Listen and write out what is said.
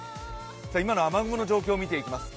今の雨雲の状況見ていきます。